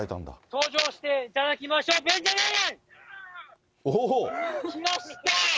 登場していただきましょう、ベンジャミン！来ました！